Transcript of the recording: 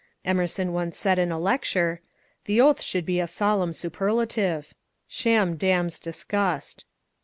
Emerson once said in a lecture, ^^ The oath should be a solemn superlative; sham damns disgust."